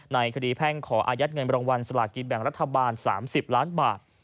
ในคดีแพ่งขออายัดเงินรางวัลสลากินแบ่งรัฐบาล๓๐ล้านบาท